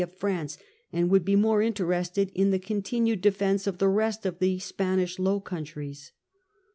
165 of France, and would be more interested in the continued defence of the rest of the Spanish Low Countries.